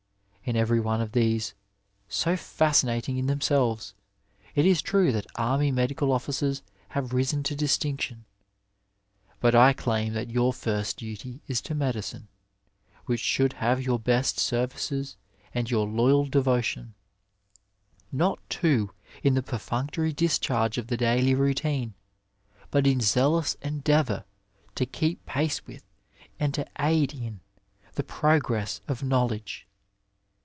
In every one of these, BO fascinating in themselves, it is true that army 117 Digitized by VjOOQiC THE ARHT SURGEON medical officers have risen to distinction, but I daim that your first duty is to medicine, which should have your best services and your loyal devotion. Not, too, in the V perfunctory discharge of the daily routine, but in zealous endeavour to keep pace with, and to aid in, the progress of knowledge.